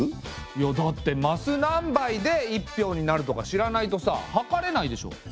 いやだってマスなんばいで一俵になるとか知らないとさ量れないでしょ？